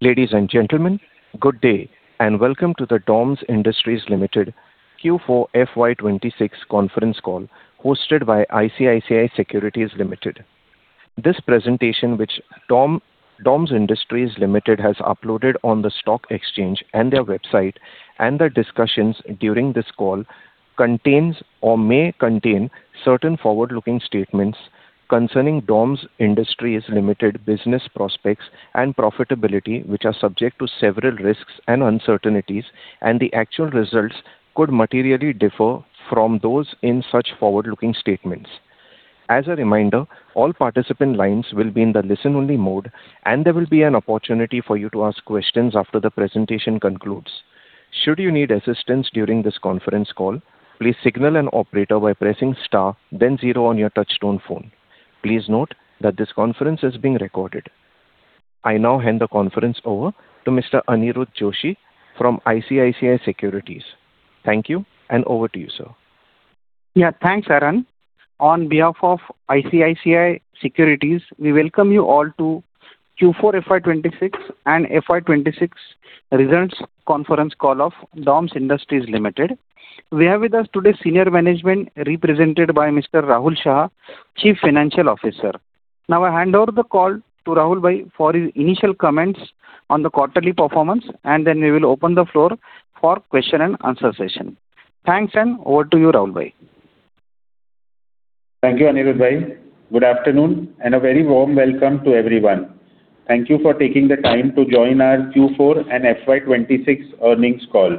Ladies and gentlemen, good day. Welcome to the DOMS Industries Limited Q4 FY 2026 conference call hosted by ICICI Securities Limited. This presentation which DOMS Industries Limited has uploaded on the stock exchange and their website and the discussions during this call contains or may contain certain forward-looking statements concerning DOMS Industries Limited business prospects and profitability, which are subject to several risks and uncertainties, and the actual results could materially differ from those in such forward-looking statements. As a reminder, all participant lines will be in the listen-only mode, and there will be an opportunity for you to ask questions after the presentation concludes. Should you need assistance during this conference call, please signal an operator by pressing star zero on your touch-tone phone. Please note that this conference is being recorded. I now hand the conference over to Mr. Aniruddha Joshi from ICICI Securities. Thank you, over to you, sir. Yeah. Thanks, Aaron. On behalf of ICICI Securities, we welcome you all to Q4 FY 2026 and FY 2026 results conference call of DOMS Industries Limited. We have with us today senior management represented by Mr. Rahul Shah, Chief Financial Officer. I hand over the call to Rahul bhai for his initial comments on the quarterly performance, and then we will open the floor for question and answer session. Thanks. Over to you, Rahul bhai. Thank you, Aniruddha bhai. Good afternoon and a very warm welcome to everyone. Thank you for taking the time to join our Q4 and FY 2026 earnings call.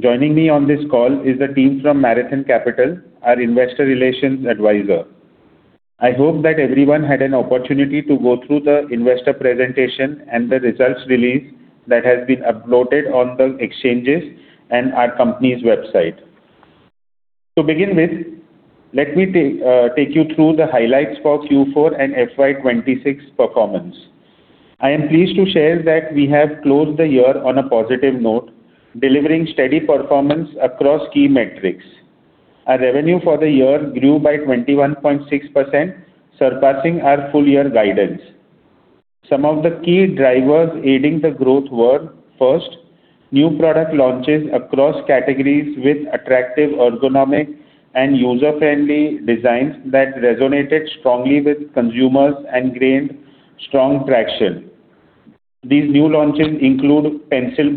Joining me on this call is the team from Marathon Capital, our Investor Relations Advisor. I hope that everyone had an opportunity to go through the investor presentation and the results release that has been uploaded on the exchanges and our company's website. To begin with, let me take you through the highlights for Q4 and FY 2026 performance. I am pleased to share that we have closed the year on a positive note, delivering steady performance across key metrics. Our revenue for the year grew by 21.6%, surpassing our full year guidance. Some of the key drivers aiding the growth were, first, new product launches across categories with attractive ergonomic and user-friendly designs that resonated strongly with consumers and gained strong traction. These new launches include pencil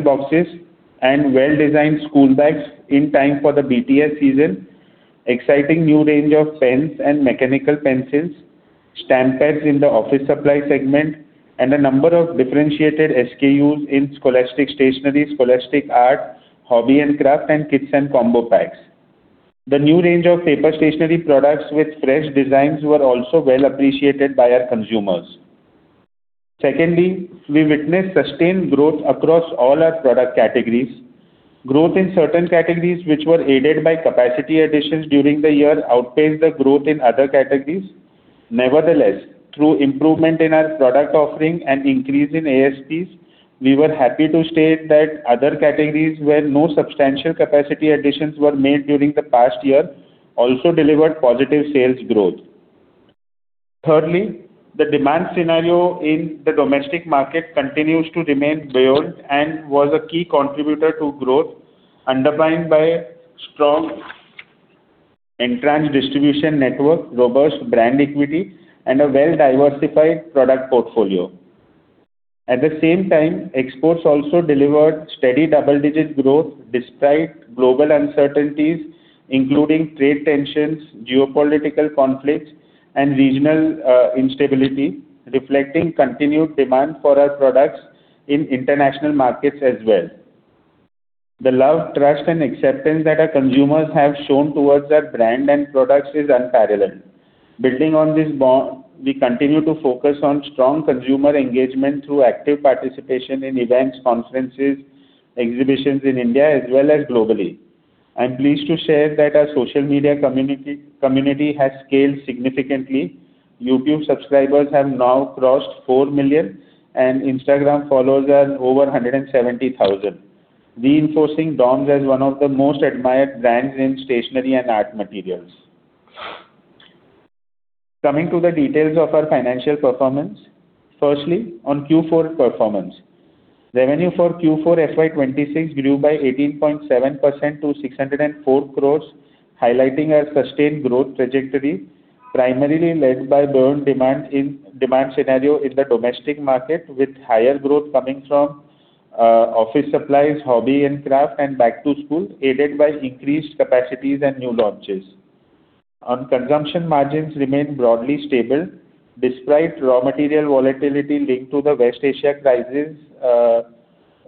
boxes and well-designed school bags in time for the BTS season, exciting new range of pens and mechanical pencils, stamp pads in the office supply segment, and a number of differentiated SKUs in scholastic stationery, scholastic art, hobby and craft, and kits and combo packs. The new range of paper stationery products with fresh designs were also well appreciated by our consumers. Secondly, we witnessed sustained growth across all our product categories. Growth in certain categories which were aided by capacity additions during the year outpaced the growth in other categories. Nevertheless, through improvement in our product offering and increase in ASPs, we were happy to state that other categories where no substantial capacity additions were made during the past year also delivered positive sales growth. Thirdly, the demand scenario in the domestic market continues to remain buoyant and was a key contributor to growth, underpinned by strong entrenched distribution network, robust brand equity, and a well-diversified product portfolio. At the same time, exports also delivered steady double-digit growth despite global uncertainties, including trade tensions, geopolitical conflicts, and regional instability, reflecting continued demand for our products in international markets as well. The love, trust, and acceptance that our consumers have shown towards our brand and products is unparalleled. Building on this bond, we continue to focus on strong consumer engagement through active participation in events, conferences, exhibitions in India as well as globally. I'm pleased to share that our social media community has scaled significantly. YouTube subscribers have now crossed 4 million, and Instagram followers are over 170,000, reinforcing DOMS as one of the most admired brands in stationery and art materials. Coming to the details of our financial performance. Firstly, on Q4 performance. Revenue for Q4 FY 2026 grew by 18.7% to 604 crore, highlighting our sustained growth trajectory, primarily led by buoyant demand scenario in the domestic market, with higher growth coming from office supplies, hobby and craft, and back to school, aided by increased capacities and new launches. On consumption margins remained broadly stable despite raw material volatility linked to the West Asia crisis,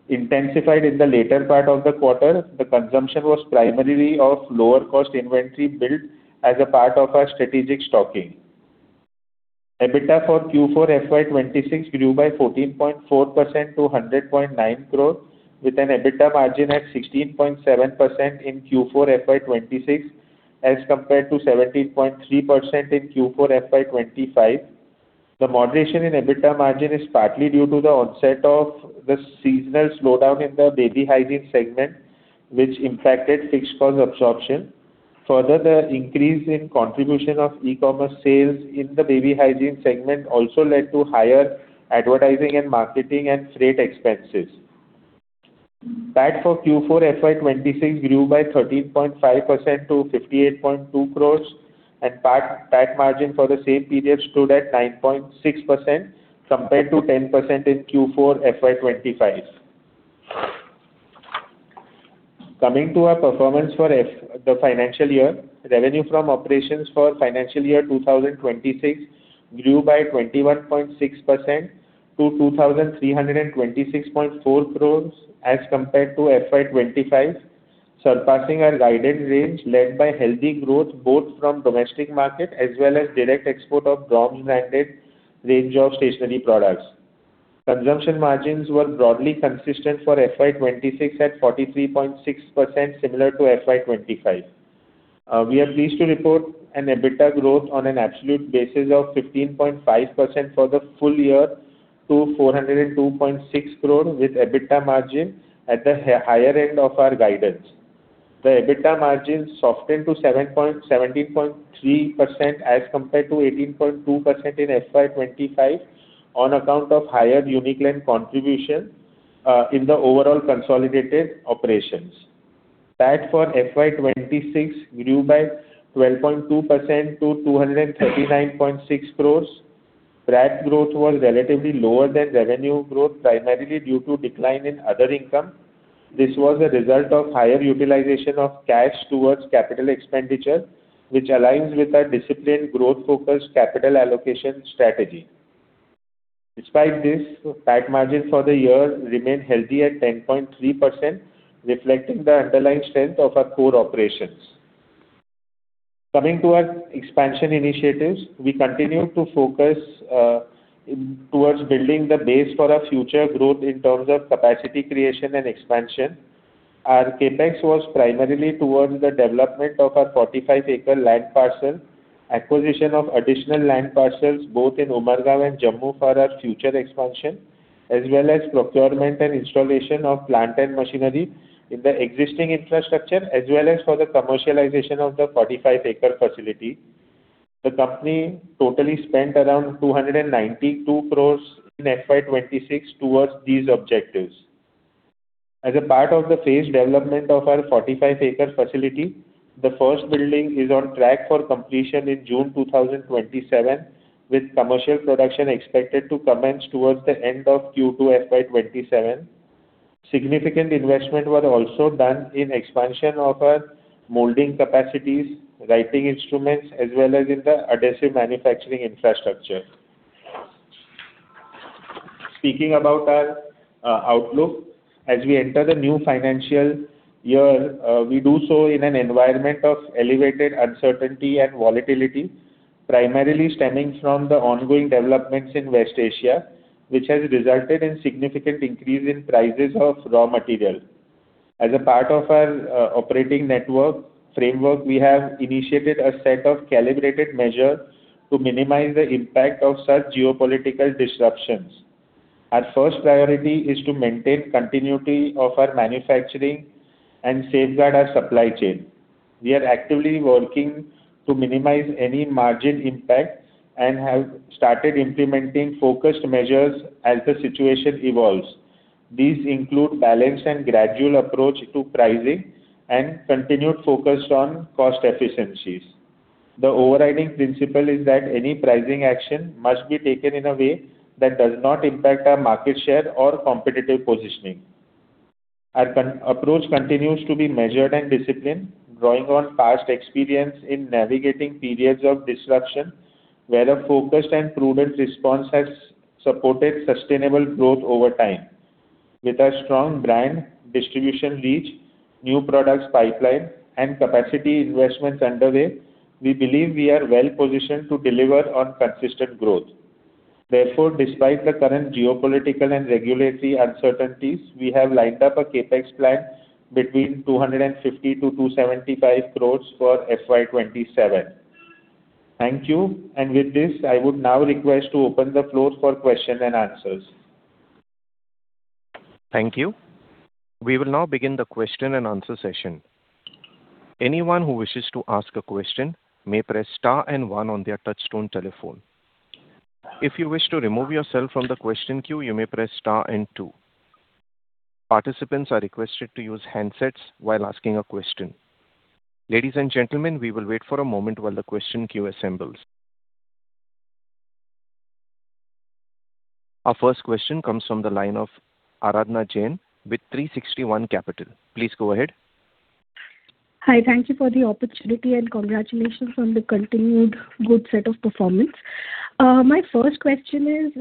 intensified in the later part of the quarter. The consumption was primarily of lower cost inventory built as a part of our strategic stocking. EBITDA for Q4 FY 2026 grew by 14.4% to 100.9 crore with an EBITDA margin at 16.7% in Q4 FY 2026, as compared to 17.3% in Q4 FY 2025. The moderation in EBITDA margin is partly due to the onset of the seasonal slowdown in the baby hygiene segment, which impacted fixed cost absorption. Further, the increase in contribution of e-commerce sales in the baby hygiene segment also led to higher advertising and marketing and freight expenses. PAT for Q4 FY 2026 grew by 13.5% to 58.2 crore and PAT margin for the same period stood at 9.6% compared to 10% in Q4 FY 2025. Coming to our performance for the financial year. Revenue from operations for financial year 2026 grew by 21.6% to 2,326.4 crore as compared to FY 2025, surpassing our guidance range led by healthy growth both from domestic market as well as direct export of DOMS branded range of stationery products. Consumption margins were broadly consistent for FY 2026 at 43.6% similar to FY 2025. We are pleased to report an EBITDA growth on an absolute basis of 15.5% for the full year to 402.6 crore, with EBITDA margin at the higher end of our guidance. The EBITDA margin softened to 17.3% as compared to 18.2% in FY 2025 on account of higher Uniclan contribution in the overall consolidated operations. PAT for FY 2026 grew by 12.2% to 239.6 crore. PAT growth was relatively lower than revenue growth, primarily due to decline in other income. This was a result of higher utilization of cash towards capital expenditure, which aligns with our disciplined growth-focused capital allocation strategy. Despite this, PAT margin for the year remained healthy at 10.3%, reflecting the underlying strength of our core operations. Coming to our expansion initiatives. We continue to focus towards building the base for our future growth in terms of capacity creation and expansion. Our CapEx was primarily towards the development of our 45-acre land parcel, acquisition of additional land parcels both in Umbergaon and Jammu for our future expansion, as well as procurement and installation of plant and machinery in the existing infrastructure, as well as for the commercialization of the 45-acre facility. The company totally spent around 292 crore in FY 2026 towards these objectives. As a part of the phased development of our 45-acre facility, the first building is on track for completion in June 2027, with commercial production expected to commence towards the end of Q2 FY 2027. Significant investment were also done in expansion of our molding capacities, writing instruments, as well as in the adhesive manufacturing infrastructure. Speaking about our outlook. As we enter the new financial year, we do so in an environment of elevated uncertainty and volatility, primarily stemming from the ongoing developments in West Asia, which has resulted in significant increase in prices of raw material. As a part of our operating network framework, we have initiated a set of calibrated measures to minimize the impact of such geopolitical disruptions. Our first priority is to maintain continuity of our manufacturing and safeguard our supply chain. We are actively working to minimize any margin impact and have started implementing focused measures as the situation evolves. These include balanced and gradual approach to pricing and continued focus on cost efficiencies. The overriding principle is that any pricing action must be taken in a way that does not impact our market share or competitive positioning. Our approach continues to be measured and disciplined, drawing on past experience in navigating periods of disruption where a focused and prudent response has supported sustainable growth over time. With our strong brand, distribution reach, new products pipeline, and capacity investments underway, we believe we are well positioned to deliver on consistent growth. Therefore, despite the current geopolitical and regulatory uncertainties, we have lined up a CapEx plan between 250 crore-275 crore for FY 2027. Thank you. With this, I would now request to open the floor for question and answers. Thank you. We will now begin the question and answer session. Anyone who wishes to ask a question may press star and one on their touch-tone telephone. If you wish to remove yourself from the question queue, you may press star and two. Participants are requested to use handsets while asking a question. Ladies and gentlemen, we will wait for a moment while the question queue assembles. Our first question comes from the line of Aradhana Jain with 360 ONE Capital. Please go ahead. Hi. Thank you for the opportunity and congratulations on the continued good set of performance. My first question is,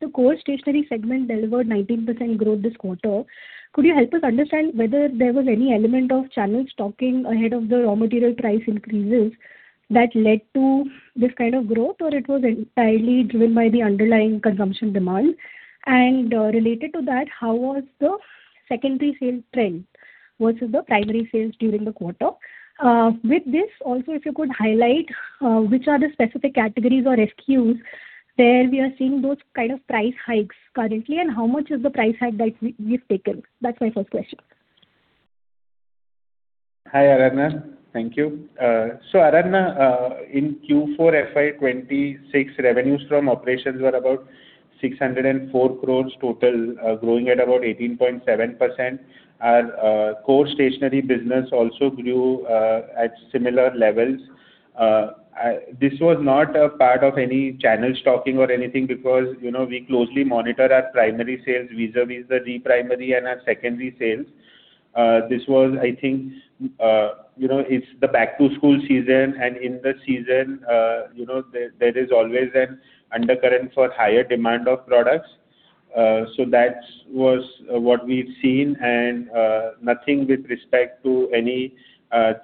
the core stationery segment delivered 19% growth this quarter. Could you help us understand whether there was any element of channel stocking ahead of the raw material price increases that led to this kind of growth, or it was entirely driven by the underlying consumption demand? Related to that, how was the secondary sales trend versus the primary sales during the quarter? With this also if you could highlight, which are the specific categories or SKUs where we are seeing those kind of price hikes currently, and how much is the price hike that we've taken? That's my first question. Hi, Aradhana. Thank you. Aradhana, in Q4 FY 2026 revenues from operations were about 604 crore total, growing at about 18.7%. Our core stationery business also grew at similar levels. This was not a part of any channel stocking or anything because, you know, we closely monitor our primary sales vis-à-vis the de-primary and our secondary sales. This was, I think, you know, it's the back-to-school season. In the season, you know, there is always an undercurrent for higher demand of products. That's what we've seen and nothing with respect to any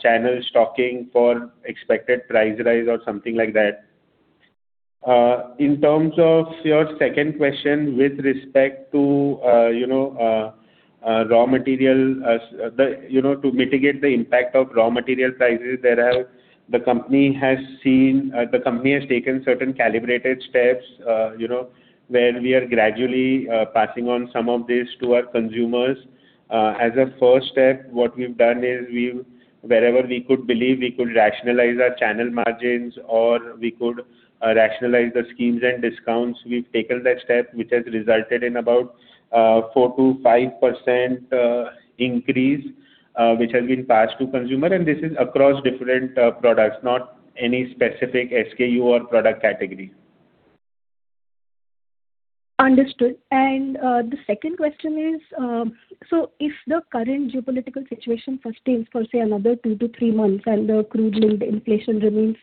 channel stocking for expected price rise or something like that. In terms of your second question with respect to, you know, raw material, to mitigate the impact of raw material prices that the company has seen, the company has taken certain calibrated steps, you know, where we are gradually passing on some of this to our consumers. As a first step, what we've done is we've wherever we could believe we could rationalize our channel margins, or we could rationalize the schemes and discounts, we've taken that step, which has resulted in about 4%-5% increase, which has been passed to consumer. This is across different products, not any specific SKU or product category. Understood. The second question is, so if the current geopolitical situation persists for, say, another two to three months and the crude-linked inflation remains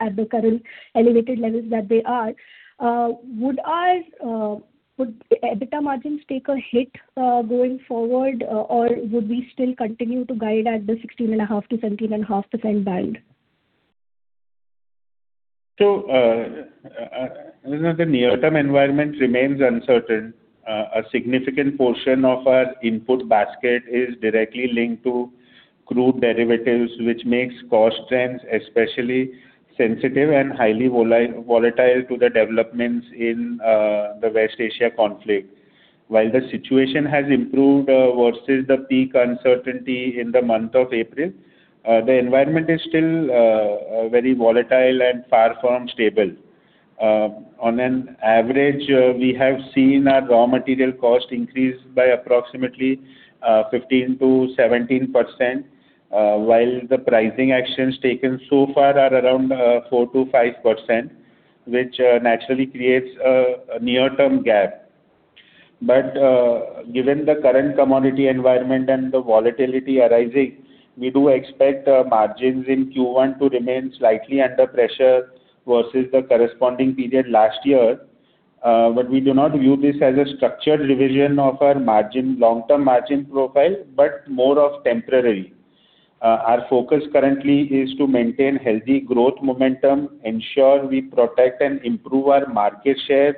at the current elevated levels that they are, would our EBITDA margins take a hit going forward? Would we still continue to guide at the 16.5%-17.5% band? You know, the near-term environment remains uncertain. A significant portion of our input basket is directly linked to crude derivatives, which makes cost trends especially sensitive and highly volatile to the developments in the West Asia conflict. The situation has improved versus the peak uncertainty in the month of April, the environment is still very volatile and far from stable. On an average, we have seen our raw material cost increase by approximately 15%-17%, while the pricing actions taken so far are around 4%-5%, which naturally creates a near-term gap. Given the current commodity environment and the volatility arising, we do expect margins in Q1 to remain slightly under pressure versus the corresponding period last year. We do not view this as a structured revision of our long-term margin profile, but more of temporary. Our focus currently is to maintain healthy growth momentum, ensure we protect and improve our market share,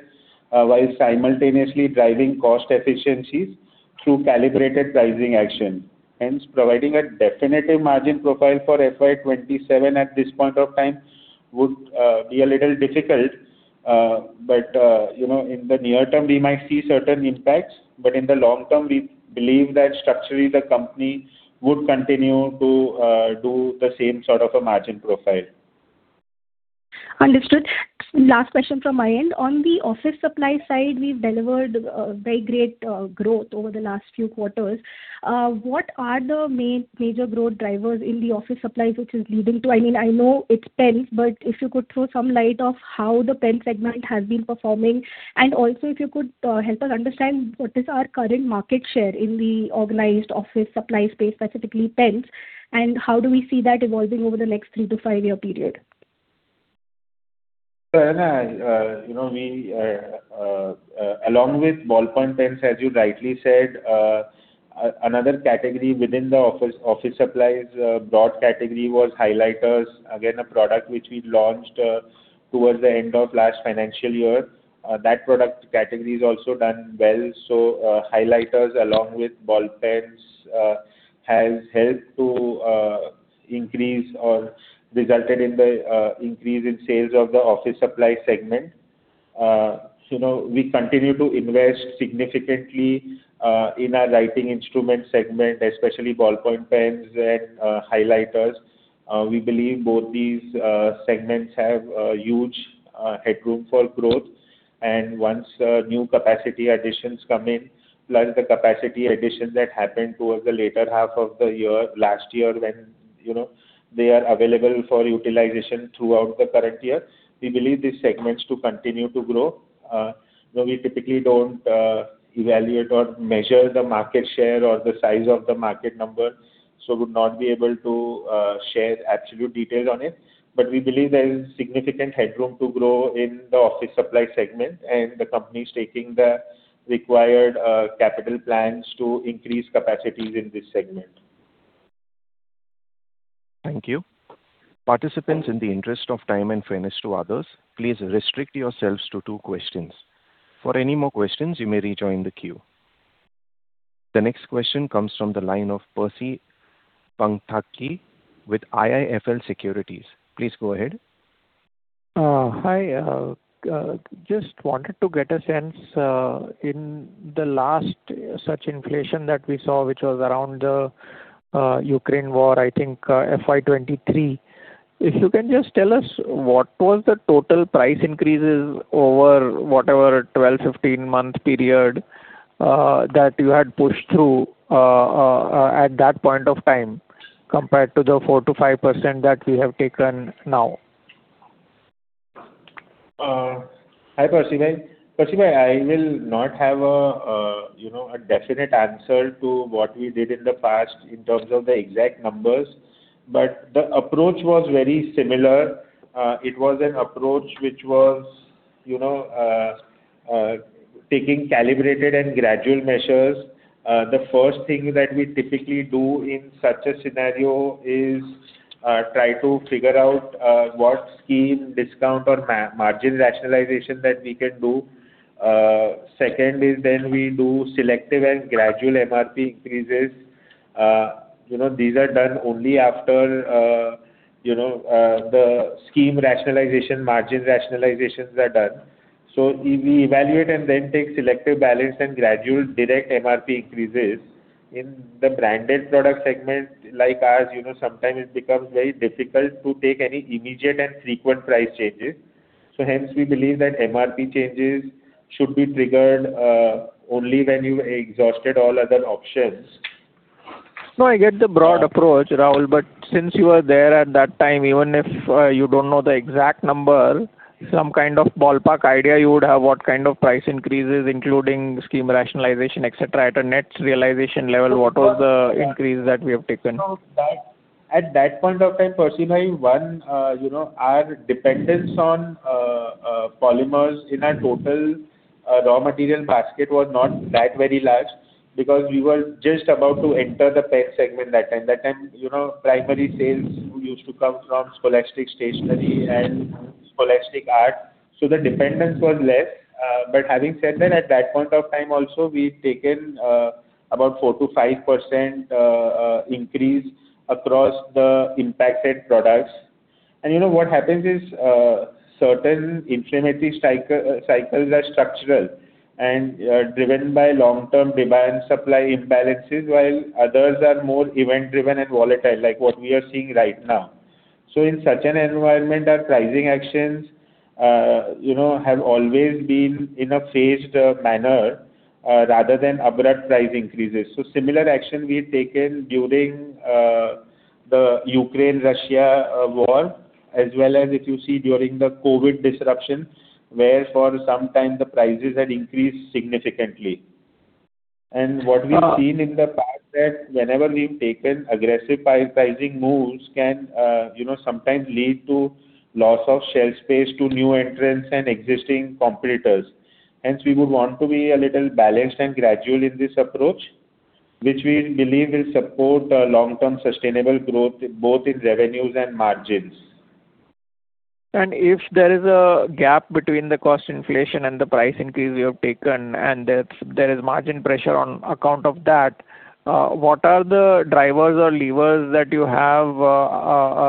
while simultaneously driving cost efficiencies through calibrated pricing action. Hence, providing a definitive margin profile for FY 2027 at this point of time would be a little difficult. You know, in the near term, we might see certain impacts. But in the long term, we believe that structurally the company would continue to do the same sort of a margin profile. Understood. Last question from my end. On the office supply side, we've delivered very great growth over the last few quarters. What are the major growth drivers in the office supplies which is leading to I mean, I know it's pens, but if you could throw some light of how the pen segment has been performing, and also if you could help us understand what is our current market share in the organized office supply space, specifically pens, and how do we see that evolving over the next thee to five-year period? Aradhana, you know, we... Along with ballpoint pens, as you rightly said, another category within the office supplies, broad category was highlighters. Again, a product which we launched towards the end of last financial year. That product category has also done well. Highlighters along with ball pens, has helped to increase or resulted in the increase in sales of the office supply segment. Now we continue to invest significantly in our writing instrument segment, especially ballpoint pens and highlighters. We believe both these segments have huge headroom for growth. Once new capacity additions come in plus the capacity additions that happened towards the latter half of the year, last year, when, you know, they are available for utilization throughout the current year. We believe these segments to continue to grow. We typically don't evaluate or measure the market share or the size of the market number, so would not be able to share absolute details on it. We believe there is significant headroom to grow in the office supply segment, and the company is taking the required capital plans to increase capacities in this segment. Thank you. Participants, in the interest of time and fairness to others, please restrict yourselves to two questions. For any more questions, you may rejoin the queue. The next question comes from the line of Percy Panthaki with IIFL Securities. Please go ahead. Hi. just wanted to get a sense, in the last such inflation that we saw, which was around the Ukraine war, I think, FY 2023. If you can just tell us what was the total price increases over whatever 12-15-month period, that you had pushed through at that point of time compared to the 4%-5% that we have taken now? Hi, Percy bhai. Percy bhai, I will not have a definite answer to what we did in the past in terms of the exact numbers, but the approach was very similar. It was an approach which was taking calibrated and gradual measures. The first thing that we typically do in such a scenario is try to figure out what scheme discount or margin rationalization that we can do. Second is we do selective and gradual MRP increases. These are done only after the scheme rationalization, margin rationalizations are done. We evaluate and take selective balance and gradual direct MRP increases. In the branded product segment like ours, you know, sometimes it becomes very difficult to take any immediate and frequent price changes. Hence we believe that MRP changes should be triggered only when you exhausted all other options. I get the broad approach, Rahul. Since you were there at that time, even if you don't know the exact number. Some kind of ballpark idea you would have, what kind of price increases, including scheme rationalization, et cetera, at a net realization level? what was the increase that we have taken? At that point of time, Percy bhai, one, you know, our dependence on polymers in our total raw material basket was not that very large because we were just about to enter the pen segment that time. That time, you know, primary sales used to come from scholastic stationery and scholastic art, so the dependence was less. But having said that, at that point of time also, we've taken about 4%-5% increase across the impacted products. You know, what happens is, certain inflationary cycles are structural and driven by long-term demand supply imbalances. While others are more event-driven and volatile, like what we are seeing right now. In such an environment, our pricing actions, you know, have always been in a phased manner rather than abrupt price increases. Similar action we've taken during the Ukraine-Russia war as well as if you see during the COVID disruption, where for some time the prices had increased significantly. What we've seen in the past that whenever we've taken aggressive pricing moves can, you know, sometimes lead to loss of shelf space to new entrants and existing competitors. Hence, we would want to be a little balanced and gradual in this approach, which we believe will support long-term sustainable growth both in revenues and margins. If there is a gap between the cost inflation and the price increase you have taken and there is margin pressure on account of that, what are the drivers or levers that you have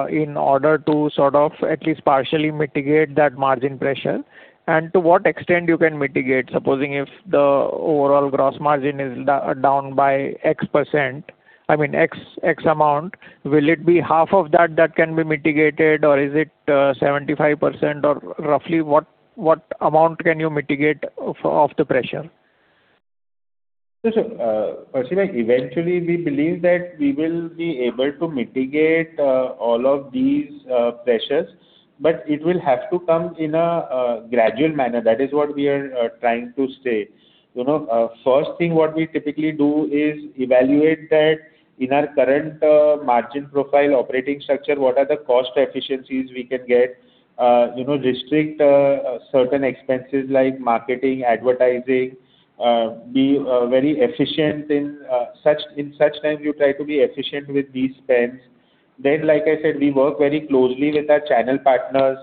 in order to sort of at least partially mitigate that margin pressure? To what extent you can mitigate? Supposing if the overall gross margin is down by X percent, I mean X amount. Will it be half of that that can be mitigated, or is it 75%? Roughly what amount can you mitigate of the pressure? Percy bhai, eventually we believe that we will be able to mitigate all of these pressures. It will have to come in a gradual manner. That is what we are trying to say. You know, first thing what we typically do is evaluate that in our current margin profile operating structure, what are the cost efficiencies we can get? You know, restrict certain expenses like marketing, advertising, be very efficient in such time you try to be efficient with these spends. Like I said, we work very closely with our channel partners.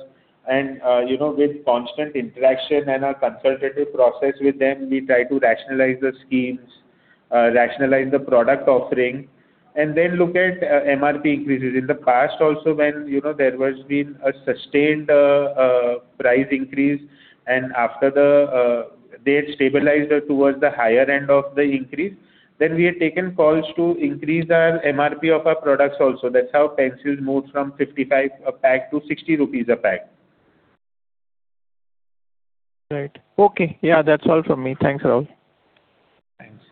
You know, with constant interaction and our consultative process with them, we try to rationalize the schemes. Rationalize the product offering, and then look at MRP increases. In the past also when, you know, there was been a sustained price increase and after the... they had stabilized towards the higher end of the increase. Then, we had taken calls to increase our MRP of our products also. That's how pencils moved from 55 a pack to 60 rupees a pack. Right. Okay. Yeah, that's all from me. Thanks, Rahul. Thanks.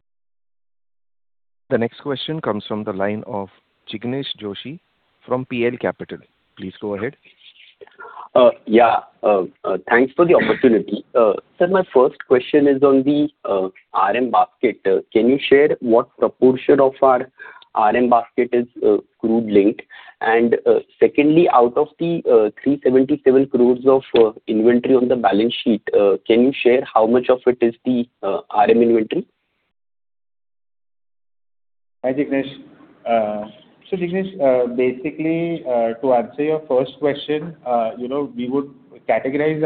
The next question comes from the line of Jinesh Joshi from PL Capital. Please go ahead. Yeah. Thanks for the opportunity. Sir, my first question is on the RM basket. Can you share what proportion of our RM basket is crude linked? Secondly, out of the 377 crore of inventory on the balance sheet, can you share how much of it is the RM inventory? Hi, Jinesh. Jinesh, basically, to answer your first question, you know, we would categorize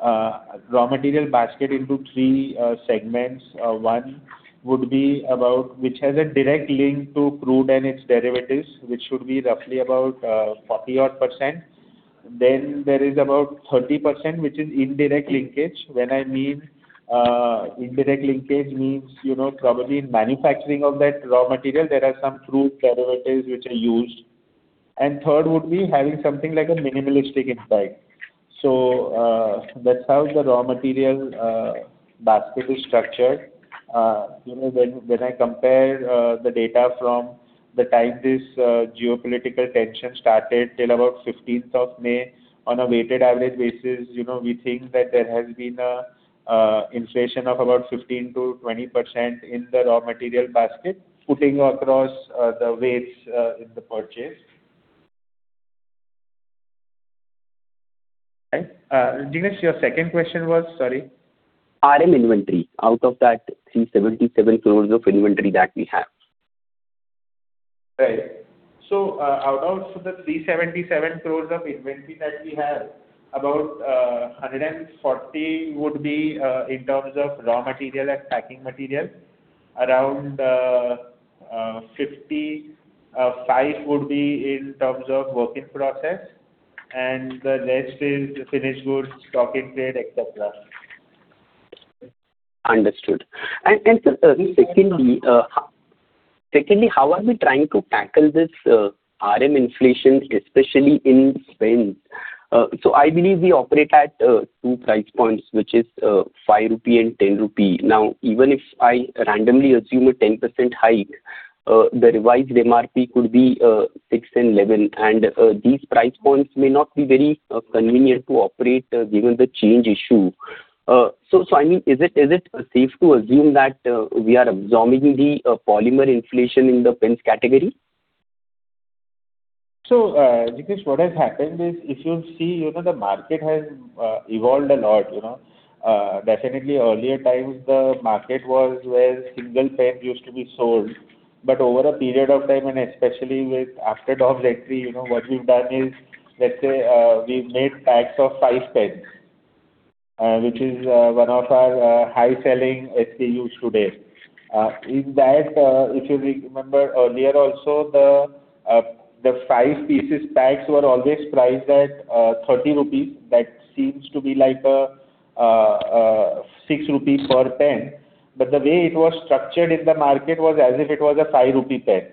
our raw material basket into three segments. One would be about which has a direct link to crude and its derivatives, which should be roughly about 40% odd. There is about 30%, which is indirect linkage. When I mean, indirect linkage means, you know, probably in manufacturing of that raw material, there are some crude derivatives which are used. Third, would be having something like a minimalistic insight. That's how the raw material basket is structured. You know, when I compare the data from the time this geopolitical tension started till about 15th of May on a weighted average basis, you know, we think that there has been a inflation of about 15%-20% in the raw material basket putting across the weights in the purchase. Right. Jinesh, your second question was? Sorry. RM inventory. Out of that 377 crore of inventory that we have? Right. Out of the 377 crore of inventory that we have, about, 140 crore would be, in terms of raw material and packing material. Around, 55 crore would be in terms of work in process. The rest is finished goods, stock-in-trade, et cetera. Understood. Sir, secondly, how are we trying to tackle this RM inflation, especially in pens? I believe we operate at two price points, which is 5 rupee and 10 rupee. Even if I randomly assume a 10% hike, the revised MRP could be 6 and 11. These price points may not be very convenient to operate, given the change issue. I mean, is it safe to assume that we are absorbing the polymer inflation in the pens category? Jinesh, what has happened is if you see, you know, the market has evolved a lot, you know. Definitely earlier times the market was where single pen used to be sold. Over a period of time, and especially with after DOMS entry, you know, what we've done is, let's say, we've made packs of five pens, which is one of our high-selling SKUs today. In that, if you remember earlier also the five pieces packs were always priced at 30 rupees. That seems to be like 6 rupees per pen. The way it was structured in the market was as if it was a 5 rupee pen.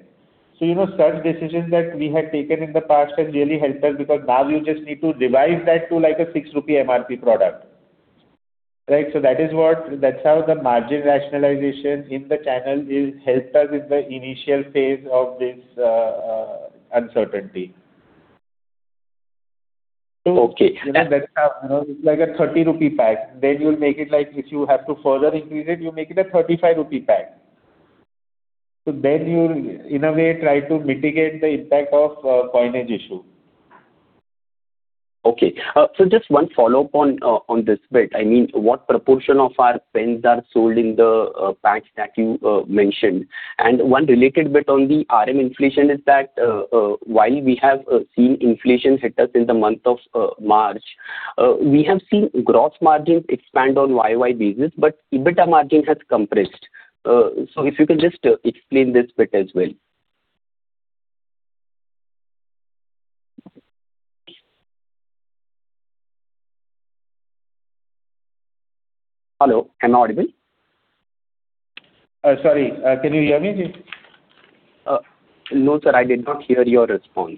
You know, such decisions that we had taken in the past have really helped us because now you just need to revise that to like a 6 rupee MRP product. Right. That's how the margin rationalization in the channel is helped us with the initial phase of this uncertainty. Okay. You know, that's how it's like a 30 rupee pack. You'll make it like if you have to further increase it, you make it a 35 rupee pack. You, in a way, try to mitigate the impact of coinage issue. Okay. Just one follow-up on this bit. I mean, what proportion of our pens are sold in the packs that you mentioned? One related bit on the RM inflation is that, while we have seen inflation hit us in the month of March, we have seen gross margins expand on YoY basis, but EBITDA margin has compressed. If you can just explain this bit as well. Hello, am I audible? Sorry, can you hear me, Ji? No, sir, I did not hear your response.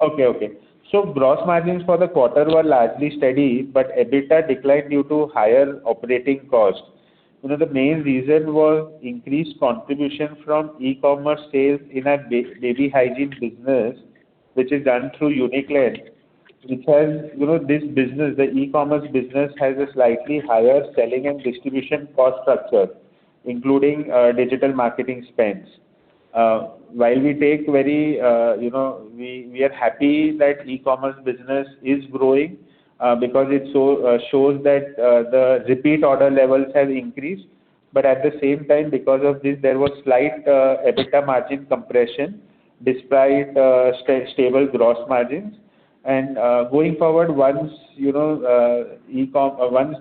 Okay, okay. Gross margins for the quarter were largely steady, but EBITDA declined due to higher operating costs. The main reason was increased contribution from e-commerce sales in our baby hygiene business, which is done through Uniclan, which has this business. The e-commerce business has a slightly higher selling and distribution cost structure, including digital marketing spends. While we take very, we are happy that e-commerce business is growing, because it shows that the repeat order levels have increased. At the same time, because of this, there was slight EBITDA margin compression despite stable gross margins. Going forward, once the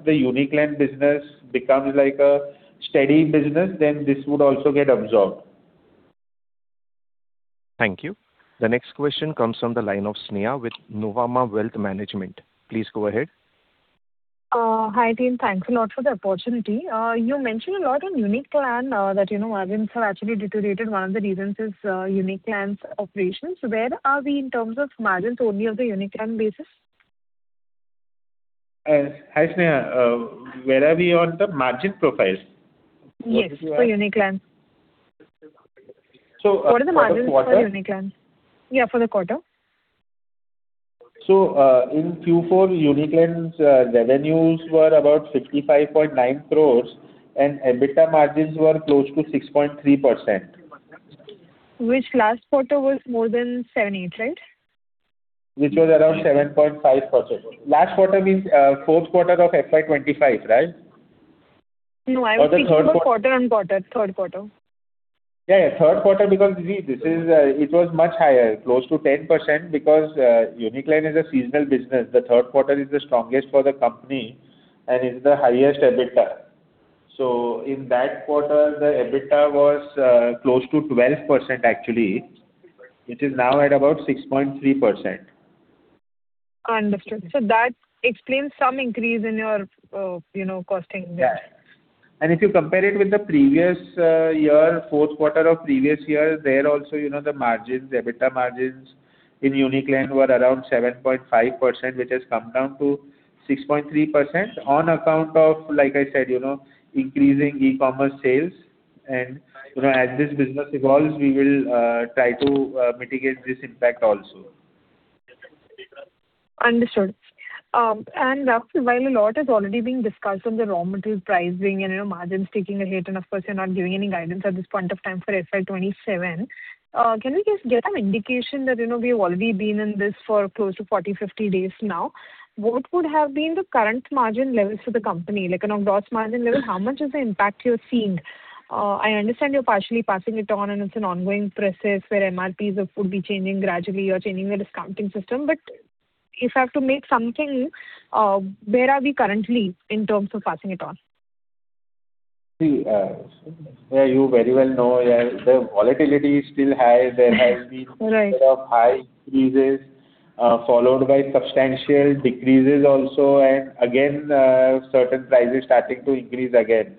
Uniclan business becomes like a steady business, then this would also get absorbed. Thank you. The next question comes from the line of Sneha with Nuvama Wealth Management. Please go ahead. Hi, team. Thanks a lot for the opportunity. You mentioned a lot on Uniclan, that, you know, margins have actually deteriorated. One of the reasons is Uniclan's operations. Where are we in terms of margins only of the Uniclan basis? Hi, Sneha. Where are we on the margin profiles? Yes, for Uniclan. So, uh- What are the margins for Uniclan? For the quarter? Yeah, for the quarter. In Q4, Uniclan's revenues were about 65.9 crore and EBITDA margins were close to 6.3%. Which last quarter was more than 7%-8%, right? Which was around 7.5%. Last quarter means, fourth quarter of FY 2025, right? No, I was thinking- Or the third quar-... quarter-on-quarter, third quarter. Third quarter, it was much higher. Close to 10% because Uniclan is a seasonal business. The third quarter is the strongest for the company and is the highest EBITDA. In that quarter, the EBITDA was close to 12% actually. It is now at about 6.3%. Understood. That explains some increase in your, you know, costing mix. Yeah. If you compare it with the previous year, fourth quarter of previous year, there also, you know, the margins, the EBITDA margins in Uniclan were around 7.5%, which has come down to 6.3% on account of, like I said, you know, increasing e-commerce sales. You know, as this business evolves, we will try to mitigate this impact also. Understood. Rahul, while a lot has already been discussed on the raw material pricing and, you know, margins taking a hit. Of course, you're not giving any guidance at this point of time for FY 2027, can we just get an indication that, you know, we've already been in this for close to 40 days, 50 days now. What would have been the current margin levels for the company? Like an approx margin level, how much is the impact you're seeing? I understand you're partially passing it on and it's an ongoing process where MRPs would be changing gradually or changing the discounting system. If I have to make something, where are we currently in terms of passing it on? See. Yeah, you very well know that the volatility is still high. Right. Sort of high increases, followed by substantial decreases also and again, certain prices starting to increase again.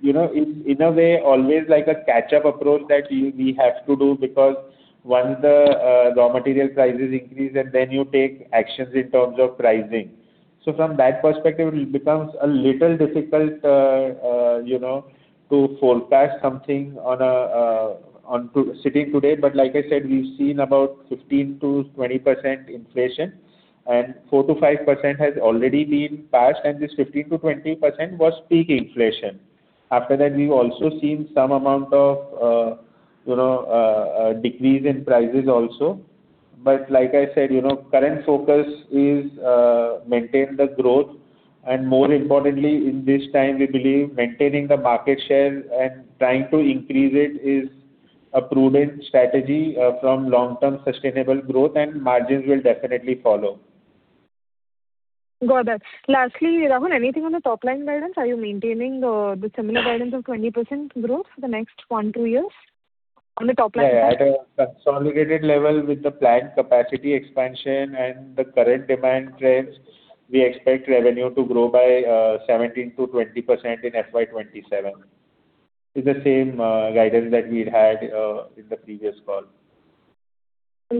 You know, in a way, always like a catch-up approach that we have to do because once the raw material prices increase and then you take actions in terms of pricing. From that perspective, it becomes a little difficult, you know, to forecast something on to sitting today. Like I said, we've seen about 15%-20% inflation and 4%-5% has already been passed, and this 15%-20% was peak inflation. After that, we've also seen some amount of, you know, decrease in prices also. Like I said, you know, current focus is maintain the growth. More importantly, in this time, we believe maintaining the market share and trying to increase it is a prudent strategy from long-term sustainable growth and margins will definitely follow. Got that. Lastly, Rahul, anything on the top-line guidance? Are you maintaining the similar guidance of 20% growth for the next one, two years on the top line? Yeah. At a consolidated level with the planned capacity expansion and the current demand trends, we expect revenue to grow by 17%-20% in FY 2027. It's the same guidance that we'd had in the previous call.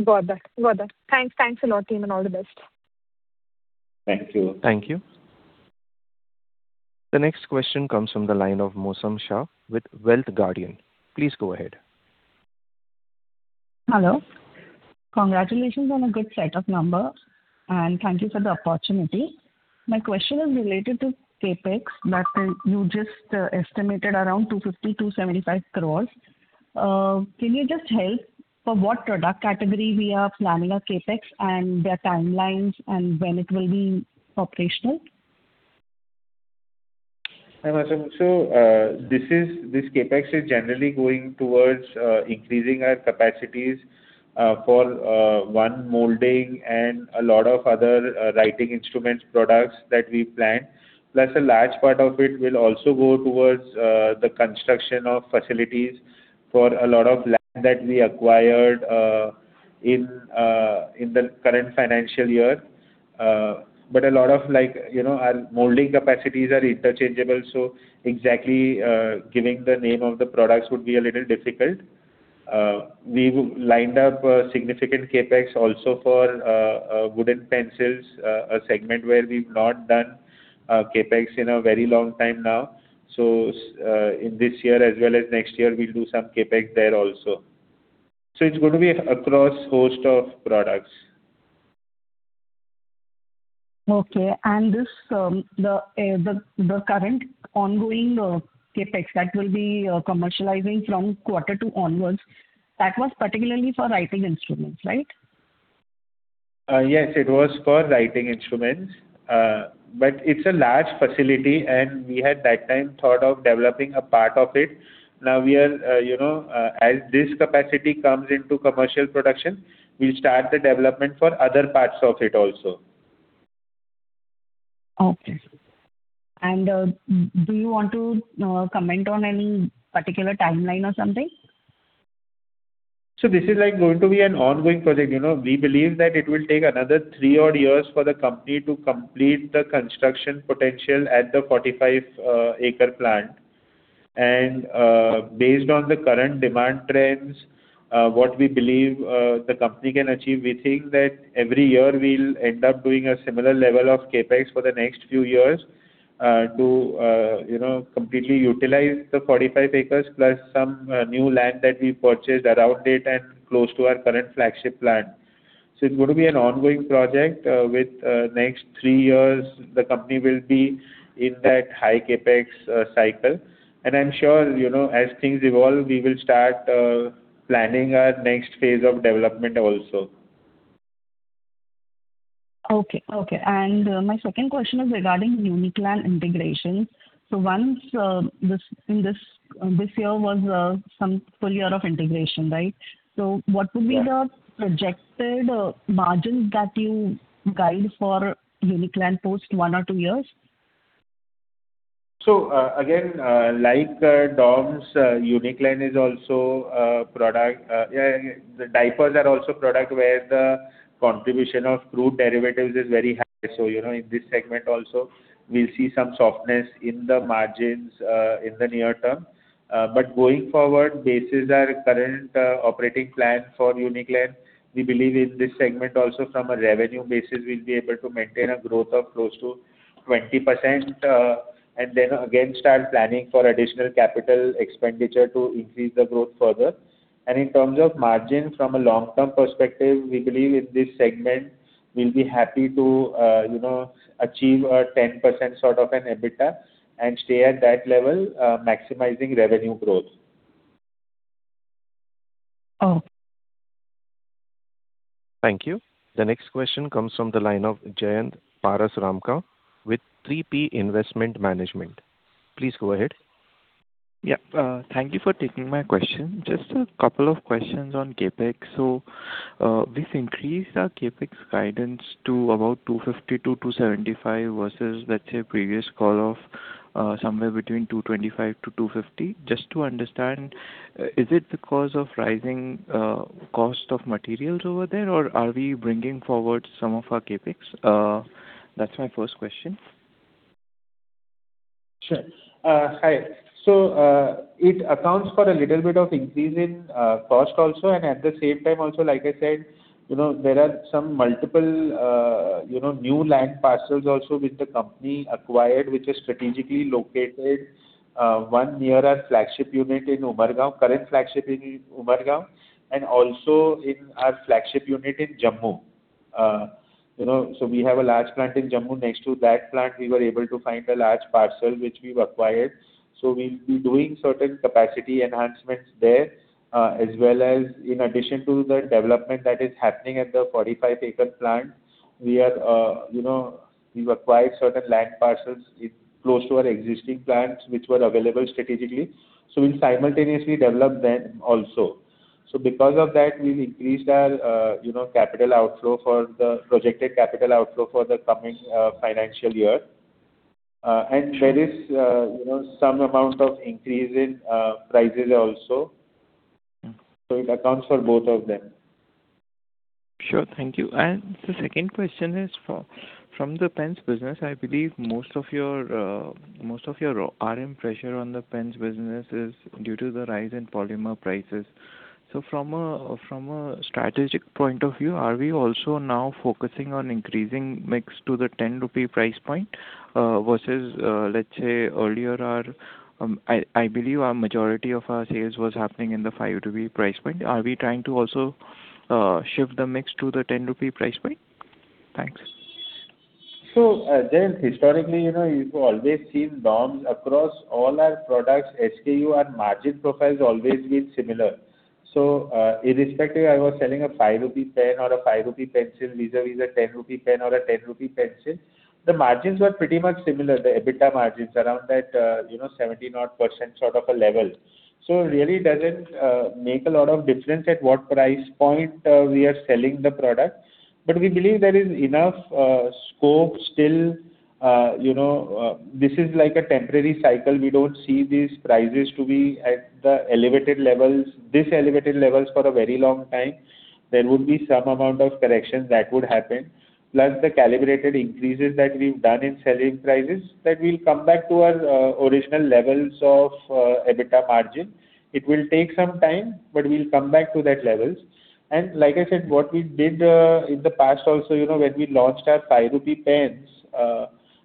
Got that. Got that. Thanks. Thanks a lot, team, and all the best. Thank you. Thank you. The next question comes from the line of Mosam Shah with Wealth Guardian. Please go ahead. Hello. Congratulations on a good set of numbers. Thank you for the opportunity. My question is related to CapEx that you just estimated around 250 crore-275 crore. Can you just help for what product category we are planning our CapEx and their timelines and when it will be operational? Hi, Mosam. This CapEx is generally going towards increasing our capacities for one molding and a lot of other writing instruments products that we planned. A large part of it will also go towards the construction of facilities for a lot of land that we acquired in the current financial year. A lot of like, you know, our molding capacities are interchangeable, so exactly giving the name of the products would be a little difficult. We've lined up a significant CapEx also for wooden pencils. A segment where we've not done CapEx in a very long time now. In this year, as well as next year, we'll do some CapEx there also. It's going to be across host of products. Okay. This, the current ongoing CapEx that will be commercializing from quarter two onwards, that was particularly for writing instruments, right? Yes, it was for writing instruments. It's a large facility, and we had that time thought of developing a part of it. Now we are, you know, as this capacity comes into commercial production. We'll start the development for other parts of it also. Okay. Do you want to comment on any particular timeline or something? This is like going to be an ongoing project. You know, we believe that it will take another three odd years for the company to complete the construction potential at the 45-acre plant. Based on the current demand trends, what we believe the company can achieve, we think that every year we'll end up doing a similar level of CapEx for the next few years, to, you know, completely utilize the 45 acres plus some new land that we purchased around it and close to our current flagship plant. It's going to be an ongoing project. With next three years the company will be in that high CapEx cycle. I'm sure, you know, as things evolve, we will start planning our next phase of development also. Okay, okay. My second question is regarding Uniclan integration. Once this year was some full year of integration, right? What would be the projected margin that you guide for Uniclan post one or two years? Again, like DOMS, Uniclan is also a product. Yeah, the diapers are also product where the contribution of crude derivatives is very high. You know, in this segment also we'll see some softness in the margins in the near term. But going forward, bases are current operating plan for Uniclan. We believe in this segment also from a revenue basis. We'll be able to maintain a growth of close to 20%, and then again start planning for additional capital expenditure to increase the growth further. In terms of margins from a long-term perspective, we believe in this segment. We'll be happy to, you know, achieve a 10% sort of an EBITDA and stay at that level, maximizing revenue growth. Okay. Thank you. The next question comes from the line of Jayant Parasramka with 3P Investment Management. Please go ahead. Thank you for taking my question. Just a couple of questions on CapEx. We've increased our CapEx guidance to about 250 crore-275 crore versus let's say previous call of, somewhere between 225 crore-250 crore. Just to understand, is it because of rising cost of materials over there, or are we bringing forward some of our CapEx? That's my first question. Sure. Hi. It accounts for a little bit of increase in cost also, and at the same time also, like I said, you know, there are some multiple, you know, new land parcels also which the company acquired, which is strategically located. One near our flagship unit in Umbergaon, current flagship in Umbergaon, and also in our flagship unit in Jammu. You know, we have a large plant in Jammu. Next to that plant, we were able to find a large parcel which we've acquired. We'll be doing certain capacity enhancements there, as well as in addition to the development that is happening at the 45-acre plant. We are, you know, we've acquired certain land parcels in close to our existing plants which were available strategically. We'll simultaneously develop them also. Because of that, we've increased our, you know, capital outflow for the projected capital outflow for the coming financial year. There is, you know, some amount of increase in prices also. It accounts for both of them. Sure. Thank you. The second question is from the pens business, I believe most of your RM pressure on the pens business is due to the rise in polymer prices. From a strategic point of view, are we also now focusing on increasing mix to the 10 rupee price point, versus earlier our, I believe our majority of our sales was happening in the 5 price point? Are we trying to also shift the mix to the 10 rupee price point? Thanks. Then historically, you know, you've always seen DOMS across all our products, SKU and margin profiles always been similar. Irrespective, I was selling a 5 rupee pen or a 5 rupee pencil vis-à-vis a 10 rupee pen or a 10 rupee pencil, the margins were pretty much similar. The EBITDA margins around that, you know, 70% odd sort of a level. It really doesn't make a lot of difference at what price point we are selling the product, but we believe there is enough scope still. This is like a temporary cycle. We don't see these prices to be at this elevated levels for a very long time. There would be some amount of correction that would happen, plus the calibrated increases that we've done in selling prices that will come back to our original levels of EBITDA margin. It will take some time. We'll come back to that levels. Like I said, what we did in the past also, you know, when we launched our 5 rupee pens,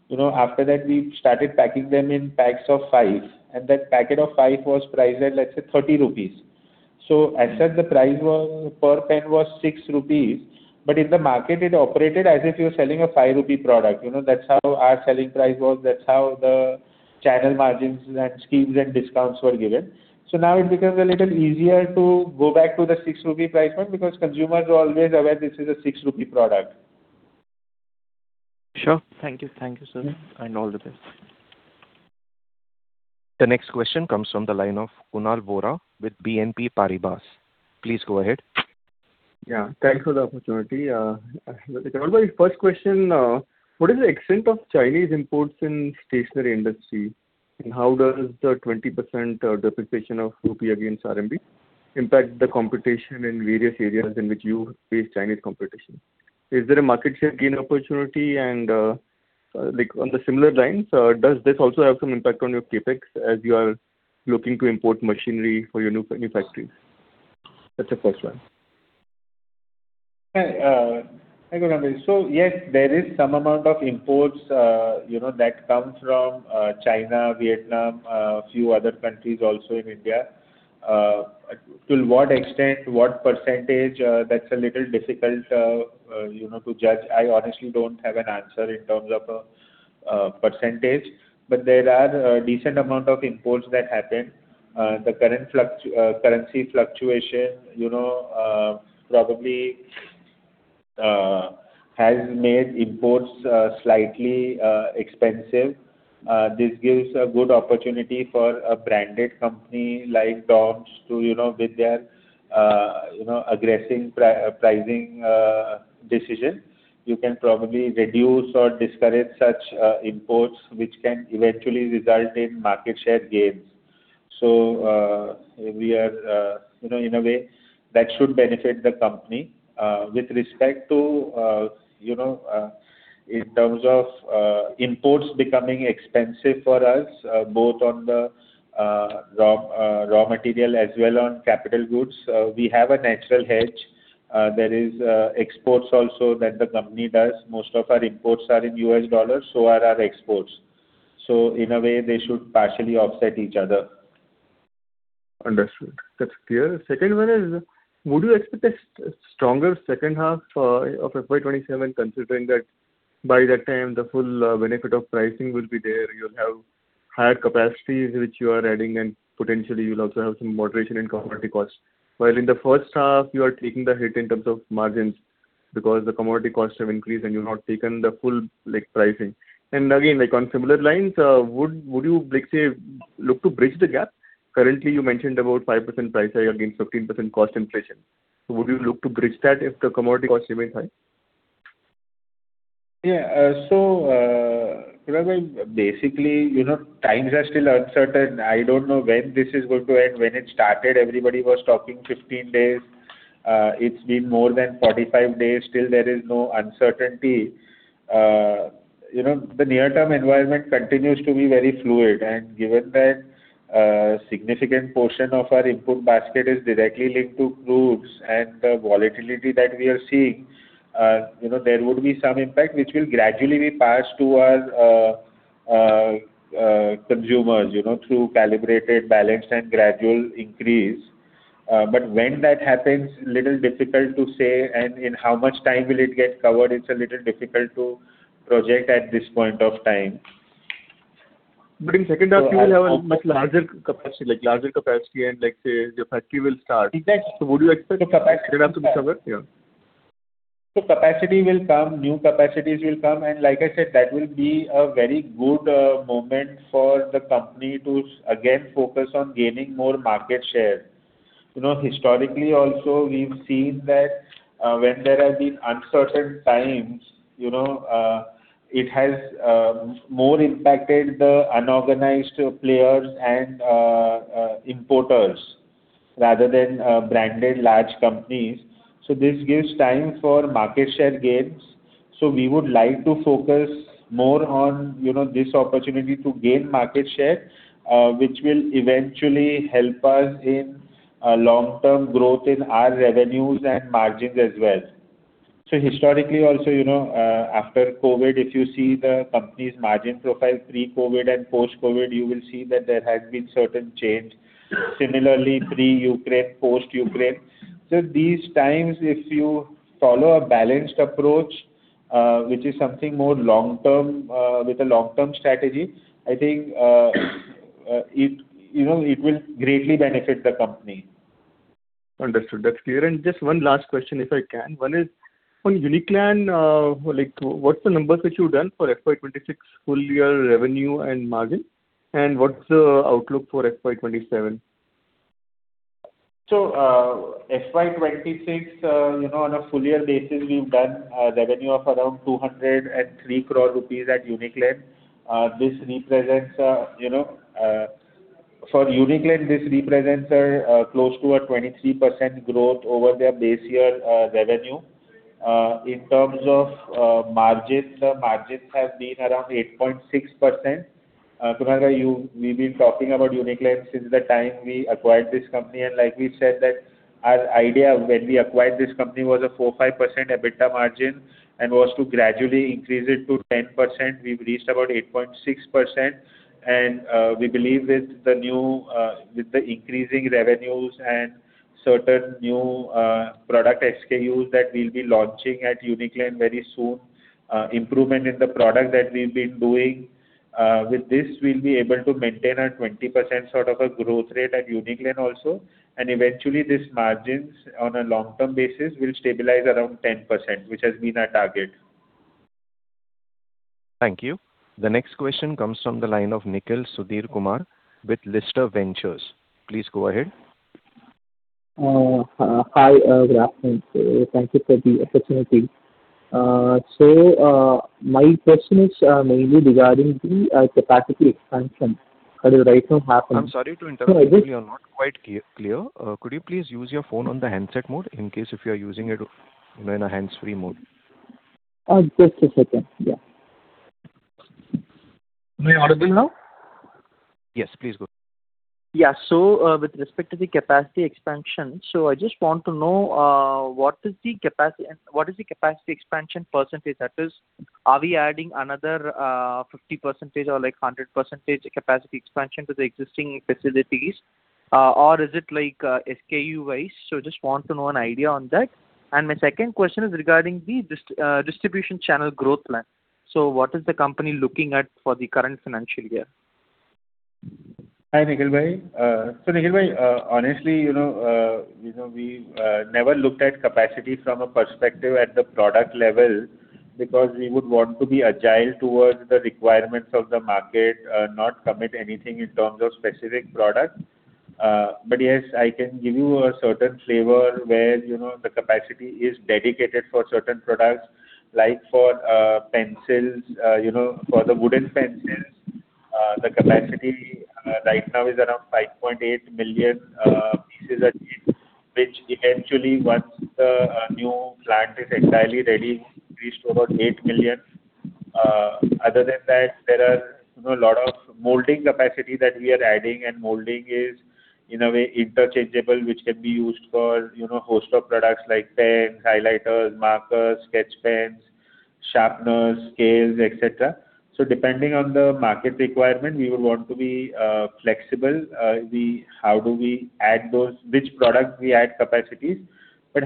you know, after that we started packing them in packs of five. That packet of five was priced at, let's say, 30 rupees. As such, the price was per pen was 6 rupees. In the market it operated as if you're selling a 5 rupee product. You know, that's how our selling price was. That's how the channel margins and schemes and discounts were given. Now it becomes a little easier to go back to the 6 rupee price point because consumers are always aware this is an 6 rupee product. Sure. Thank you. Thank you, sir. All the best. The next question comes from the line of Kunal Vora with BNP Paribas. Please go ahead. Yeah, thanks for the opportunity. Rahul, first question. What is the extent of Chinese imports in stationery industry? How does the 20% depreciation of rupee against RMB impact the competition in various areas in which you face Chinese competition? Is there a market share gain opportunity? Like on the similar lines, does this also have some impact on your CapEx as you are looking to import machinery for your new factory? That's the first one. Hi, Kunal bhai. Yes, there is some amount of imports, you know, that comes from China, Vietnam, few other countries also in India. To what extent, what percentage, that's a little difficult, you know, to judge. I honestly don't have an answer in terms of percentage. There are a decent amount of imports that happen. The current currency fluctuation, you know, probably has made imports slightly expensive. This gives a good opportunity for a branded company like DOMS to, you know, with their, you know, aggressive pricing decision. You can probably reduce or discourage such imports, which can eventually result in market share gains. We are, you know, in a way that should benefit the company. With respect to, you know, in terms of imports becoming expensive for us, both on the raw material as well on capital goods, we have a natural hedge. There is exports also that the company does. Most of our imports are in U.S. dollars, so are our exports. In a way they should partially offset each other. Understood. That's clear. Second one is, would you expect a stronger second half of FY 2027, considering that by that time the full benefit of pricing will be there, you'll have higher capacities which you are adding, and potentially you'll also have some moderation in commodity costs? While in the first half you are taking the hit in terms of margins because the commodity costs have increased and you've not taken the full, like, pricing. Again, like on similar lines, would you, let's say, look to bridge the gap? Currently, you mentioned about 5% price hike against 15% cost inflation. Would you look to bridge that if the commodity costs remain high? Yeah. Basically, you know, times are still uncertain. I don't know when this is going to end. When it started, everybody was talking 15 days. It's been more than 45 days. Still there is no uncertainty. You know, the near-term environment continues to be very fluid. Given that, significant portion of our input basket is directly linked to crudes and the volatility that we are seeing, you know, there would be some impact which will gradually be passed to our consumers, you know, through calibrated balance and gradual increase. When that happens, little difficult to say. In how much time will it get covered, it's a little difficult to project at this point of time. In second half you will have a much larger capacity and like, say, your factory will start. Exactly. Would you expect that to recover? Yeah. Capacity will come. New capacities will come, and like I said, that will be a very good moment for the company to again focus on gaining more market share. You know, historically also we've seen that when there have been uncertain times, you know, it has more impacted the unorganized players and importers rather than branded large companies. This gives time for market share gains. We would like to focus more on, you know, this opportunity to gain market share, which will eventually help us in long-term growth in our revenues and margins as well. Historically also, you know, after COVID, if you see the company's margin profile pre-COVID and post-COVID, you will see that there has been certain change. Similarly, pre-Ukraine, post-Ukraine. These times, if you follow a balanced approach, which is something more long-term. With a long-term strategy, I think, you know, it will greatly benefit the company. Understood. That's clear. Just one last question, if I can. One is, on Uniclan, like what's the numbers which you've done for FY 2026 full year revenue and margin, and what's the outlook for FY 2027? FY 2026, you know, on a full-year basis, we've done a revenue of around 203 crore rupees at Uniclan. For Uniclan, this represents, you know, close to a 23% growth over their base-year revenue. In terms of margin, the margins have been around 8.6%. Kunal, we've been talking about Uniclan since the time we acquired this company. Like we said that our idea when we acquired this company was a 4%-5% EBITDA margin and was to gradually increase it to 10%. We've reached about 8.6%. We believe with the new, with the increasing revenues and certain new product SKUs that we'll be launching at Uniclan very soon, improvement in the product that we've been doing, with this we'll be able to maintain a 20% sort of a growth rate at Uniclan also. Eventually these margins on a long-term basis will stabilize around 10%, which has been our target. Thank you. The next question comes from the line of Nikil Sudhirkumar with Lister Ventures. Please go ahead. Hi, good afternoon. Thank you for the opportunity. My question is mainly regarding the capacity expansion that is right now happening. I'm sorry to interrupt you. So I just- You're not quite clear. Could you please use your phone on the handset mode in case if you're using it, you know, in a hands-free mode? Just a second. Yeah. Am I audible now? Yes, please go. Yeah. With respect to the capacity expansion, I just want to know what is the capacity and what is the capacity expansion percentage? That is, are we adding another 50% or like 100% capacity expansion to the existing facilities, or is it like SKU-wise? Just want to know an idea on that. My second question is regarding the distribution channel growth plan. What is the company looking at for the current financial year? Hi, Nikil bhai. Nikil bhai, honestly, you know, you know, we never looked at capacity from a perspective at the product level because we would want to be agile towards the requirements of the market, not commit anything in terms of specific product. Yes, I can give you a certain flavor where, you know, the capacity is dedicated for certain products, like for pencils. You know, for the wooden pencils, the capacity right now is around 5.8 million pieces a year, which eventually once the new plant is entirely ready, increased to about 8 million. Other than that, there are, you know, lot of molding capacity that we are adding, and molding is in a way interchangeable, which can be used for, you know, host of products like pens, highlighters, markers, sketch pens, sharpeners, scales, et cetera. Depending on the market requirement, we would want to be flexible. How do we add those, which product we add capacities?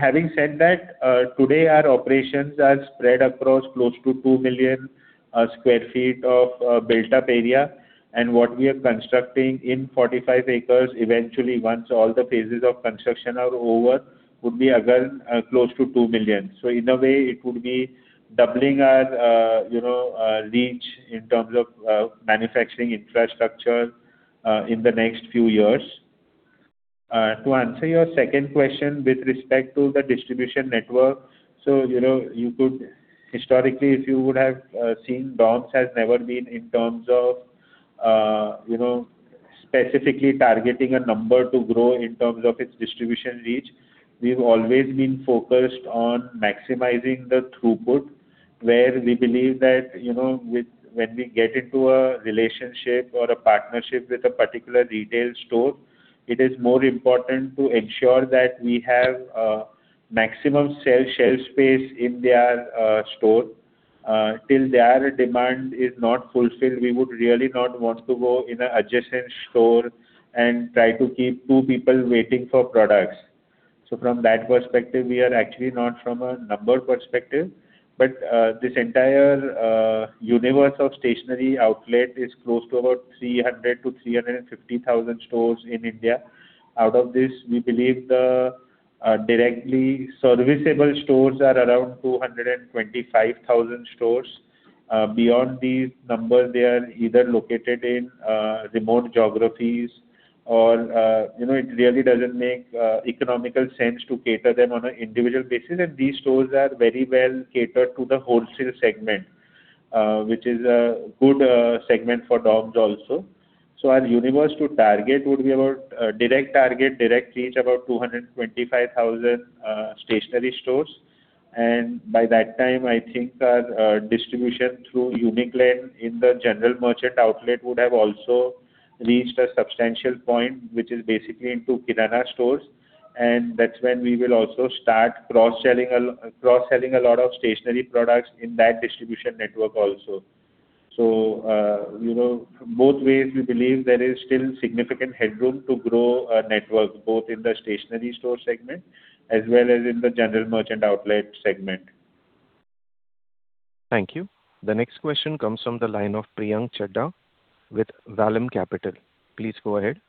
Having said that, today our operations are spread across close to 2 million sq ft of built up area. What we are constructing in 45 acres, eventually once all the phases of construction are over, would be again close to 2 million. In a way it would be doubling our, you know, reach in terms of manufacturing infrastructure in the next few years. To answer your second question, with respect to the distribution network, you know, you could historically, if you would have seen, DOMS has never been in terms of, you know, specifically targeting a number to grow in terms of its distribution reach. We've always been focused on maximizing the throughput, where we believe that, you know, when we get into a relationship or a partnership with a particular retail store, it is more important to ensure that we have maximum sell shelf space in their store. Till their demand is not fulfilled, we would really not want to go in a adjacent store and try to keep two people waiting for products. From that perspective, we are actually not from a number perspective, but, this entire universe of stationery outlet is close to about 300,000-350,000 stores in India. Out of this, we believe the directly serviceable stores are around 225,000 stores. Beyond these numbers, they are either located in remote geographies or, you know, it really doesn't make economical sense to cater them on a individual basis. These stores are very well catered to the wholesale segment, which is a good segment for DOMS also. Our universe to target would be about direct target, direct reach about 225,000 stationery stores. By that time, I think our distribution through Uniclan in the general merchant outlet would have also reached a substantial point, which is basically into kirana stores. That's when we will also start cross-selling a lot of stationery products in that distribution network also. You know, both ways we believe there is still significant headroom to grow our network. Both in the stationery store segment as well as in the general merchant outlet segment. Thank you. The next question comes from the line of Priyank Chheda with Vallum Capital. Please go ahead.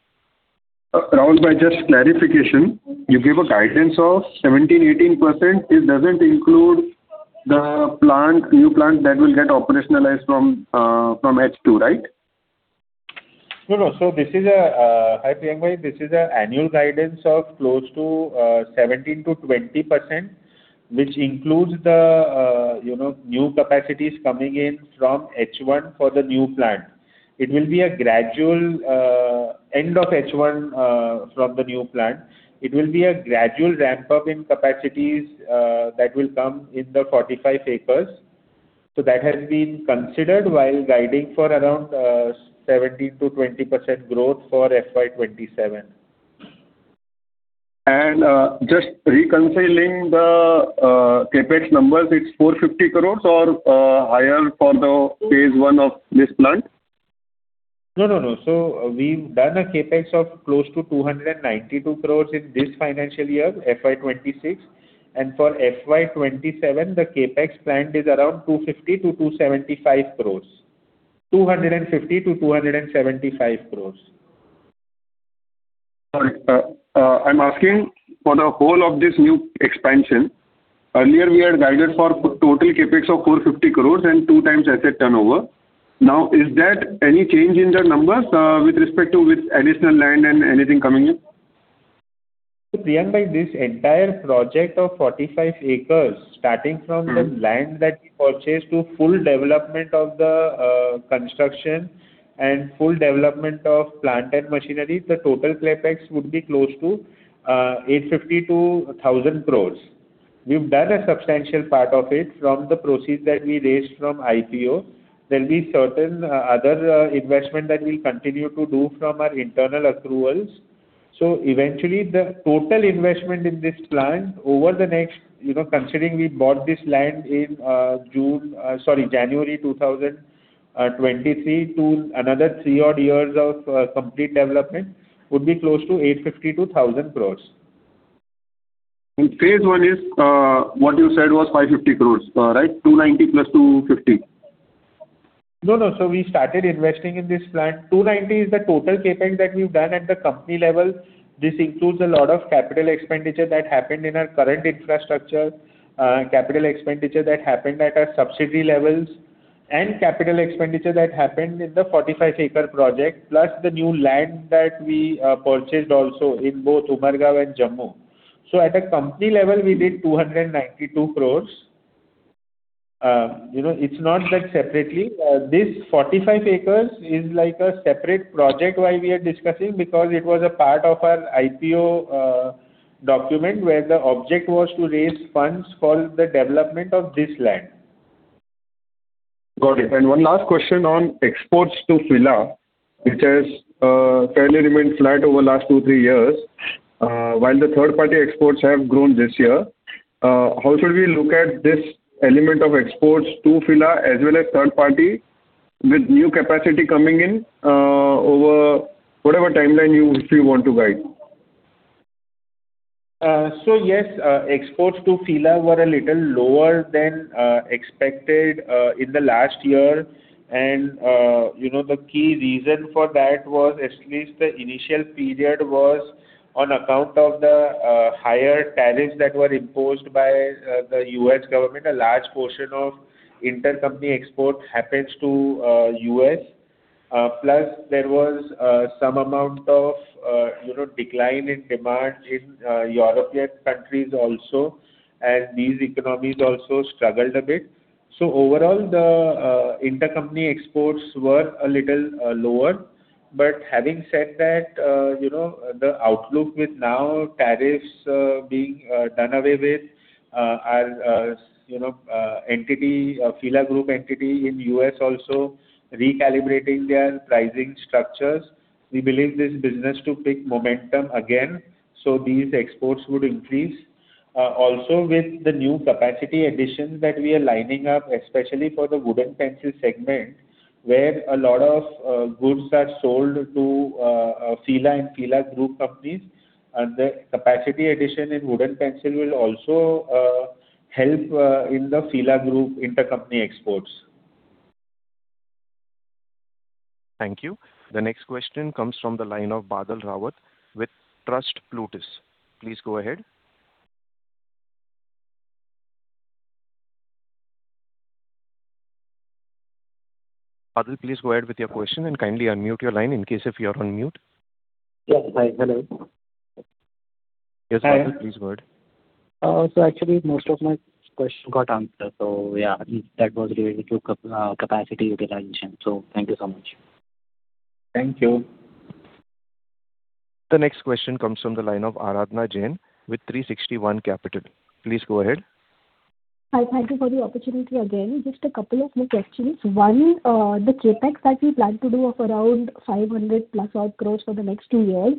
Rahul bhai, just clarification. You gave a guidance of 17%-18%. It doesn't include the plant, new plant that will get operationalized from H2, right? No, no. Hi, Priyank bhai. This is a annual guidance of close to 17%-20%, which includes the, you know, new capacities coming in from H1 for the new plant. It will be a gradual end of H1 from the new plant. It will be a gradual ramp-up in capacities that will come in the 45 acres. That has been considered while guiding for around 17%-20% growth for FY 2027. Just reconciling the CapEx numbers, it's 450 crore or higher for the phase one of this plant? No, no. We've done a CapEx of close to 292 crore in this financial year, FY 2026. For FY 2027, the CapEx planned is around 250 crore-275 crore. 250 crore-275 crore. Sorry. I'm asking for the whole of this new expansion. Earlier we had guided for total CapEx of 450 crore and 2x asset turnover. Is there any change in the numbers with respect to additional land and anything coming in? Priyank bhai, this entire project of 45 acres, starting from the land that we purchased to full development of the construction and full development of plant and machinery, the total CapEx would be close to 850 crore-1,000 crore. We've done a substantial part of it from the proceeds that we raised from IPO. There'll be certain other investment that we'll continue to do from our internal accruals. Eventually the total investment in this plant over the next, you know, considering we bought this land in June, sorry, January 2023 to another three odd years of complete development would be close to 850 crore-1,000 crore. Phase one is, what you said was 550 crore, right? 290 crore plus 250 crore. No, no. We started investing in this plant. 290 crore is the total CapEx that we've done at the company level. This includes a lot of capital expenditure that happened in our current infrastructure, capital expenditure that happened at our subsidiary levels, and capital expenditure that happened in the 45-acre project, plus the new land that we purchased also in both Umbergaon and Jammu. At a company level, we did 292 crore. You know, it's not that separately. This 45 acres is like a separate project why we are discussing, because it was a part of our IPO document, where the object was to raise funds for the development of this land. Got it. One last question on exports to F.I.L.A., which has fairly remained flat over last two-three years, while the third-party exports have grown this year. How should we look at this element of exports to F.I.L.A. as well as third party with new capacity coming in, over whatever timeline if you want to guide? Yes, exports to F.I.L.A. were a little lower than expected in the last year. You know, the key reason for that was at least the initial period was on account of the higher tariffs that were imposed by the U.S. government. A large portion of intercompany exports happens to U.S. plus there was some amount of, you know, decline in demand in European countries also, and these economies also struggled a bit. Overall, the intercompany exports were a little lower. Having said that, you know, the outlook with now tariffs being done away with, our, you know, entity, F.I.L.A. Group entity in U.S. also recalibrating their pricing structures, we believe this business to pick momentum again, so these exports would increase. Also with the new capacity additions that we are lining up, especially for the wooden pencil segment, where a lot of goods are sold to F.I.L.A. and F.I.L.A. Group companies, and the capacity addition in wooden pencil will also help in the F.I.L.A. Group intercompany exports. Thank you. The next question comes from the line of Badal Rawat with TrustPlutus. Please go ahead. Badal, please go ahead with your question and kindly unmute your line in case if you are on mute. Yes, hi. Hello. Yes, Badal, please go ahead. Actually most of my questions got answered. Yeah, that was related to capacity utilization. Thank you so much. Thank you. The next question comes from the line of Aradhana Jain with 360 ONE Capital. Please go ahead. Hi. Thank you for the opportunity again. Just a couple of more questions. One, the CapEx that you plan to do of around 500+ crore for the next two years,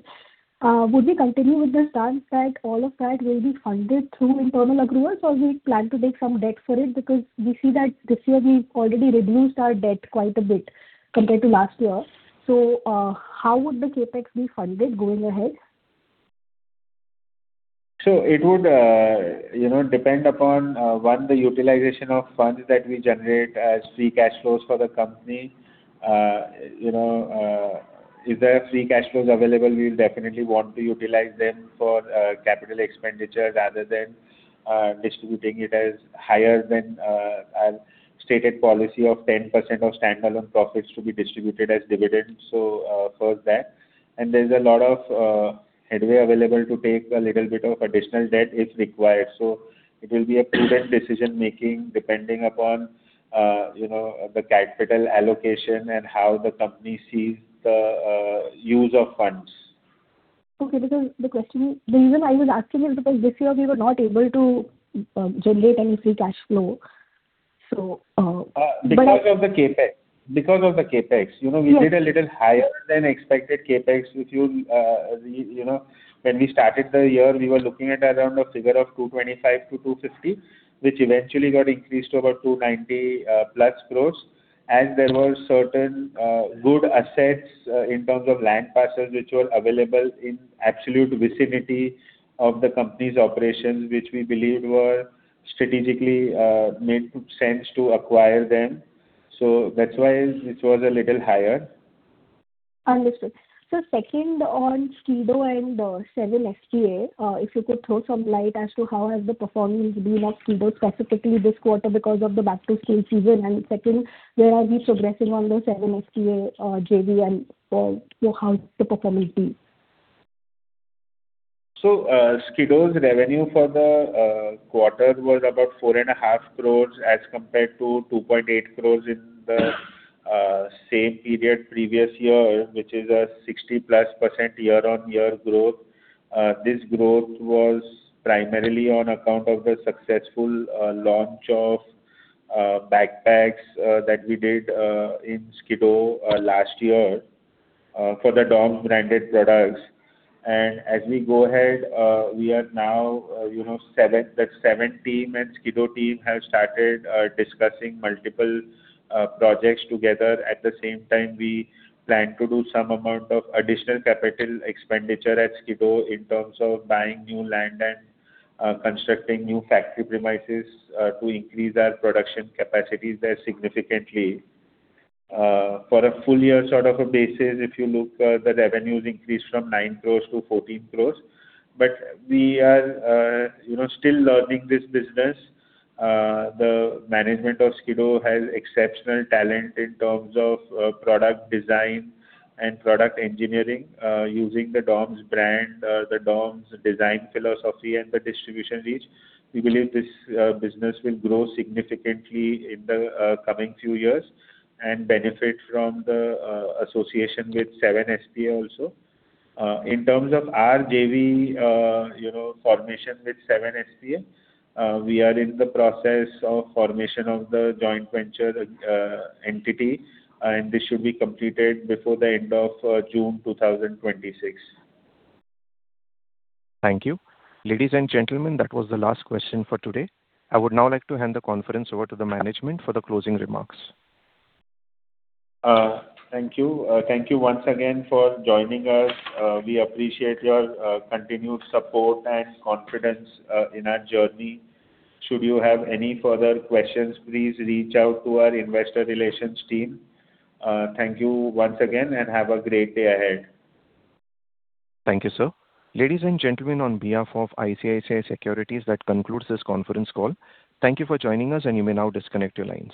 would we continue with the stance that all of that will be funded through internal accruals, or we plan to take some debt for it? We see that this year we've already reduced our debt quite a bit compared to last year. How would the CapEx be funded going ahead? It would, you know, depend upon one, the utilization of funds that we generate as free cash flows for the company. You know, if there are free cash flows available, we'll definitely want to utilize them for capital expenditure rather than distributing it as higher than our stated policy of 10% of standalone profits to be distributed as dividends. First that. And there's a lot of headway available to take a little bit of additional debt if required. It will be a prudent decision-making depending upon, you know, the capital allocation and how the company sees the use of funds. Okay. The reason I was asking is because this year we were not able to generate any free cash flow. Because of the CapEx. You know, we did a little higher than expected CapEx. If you know, when we started the year, we were looking at around a figure of 225 crore-250 crore, which eventually got increased to about 290+ crore. There were certain, good assets, in terms of land parcels which were available in absolute vicinity of the company's operations, which we believed were strategically, made sense to acquire them. So that's why it was a little higher. Understood. Second, on SKIDO and Seven S.p.A., if you could throw some light as to how has the performance been on SKIDO, specifically this quarter because of the back-to-school season. Second, where are we progressing on the Seven S.p.A. JV and, so how is the performance been? SKIDO's revenue for the quarter was about 4.5 crore as compared to 2.8 crore in the same period previous year, which is a 60%+ year-on-year growth. This growth was primarily on account of the successful launch of backpacks that we did in SKIDO last year for the DOMS branded products. As we go ahead, we are now, you know, the Seven team and SKIDO team have started discussing multiple projects together. At the same time, we plan to do some amount of additional capital expenditure at SKIDO in terms of buying new land and constructing new factory premises to increase our production capacities there significantly. For a full year sort of a basis, if you look, the revenues increased from 9 crore to 14 crore. We are, you know, still learning this business. The management of SKIDO has exceptional talent in terms of product design and product engineering, using the DOMS brand, the DOMS design philosophy, and the distribution reach. We believe this business will grow significantly in the coming few years and benefit from the association with Seven S.p.A. also. In terms of our JV, you know, formation with Seven S.p.A., we are in the process of formation of the joint venture entity, and this should be completed before the end of June 2026. Thank you. Ladies and gentlemen, that was the last question for today. I would now like to hand the conference over to the management for the closing remarks. Thank you. Thank you once again for joining us. We appreciate your continued support and confidence in our journey. Should you have any further questions, please reach out to our investor relations team. Thank you once again, and have a great day ahead. Thank you, sir. Ladies and gentlemen, on behalf of ICICI Securities, that concludes this conference call. Thank you for joining us, and you may now disconnect your lines.